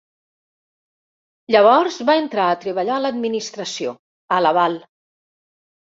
Llavors va entrar a treballar a l'administració, a Laval.